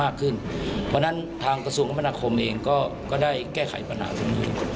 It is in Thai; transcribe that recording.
วันนั้นทางกระทรวงกรรมนาคมเองก็ได้แก้ไขปัญหาทั้งนี้